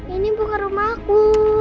ini bukan rumahku